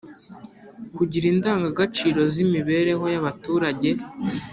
Kugira indangagaciro z’ imibereho y’ abaturage